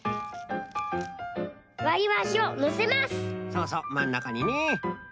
そうそうまんなかにね。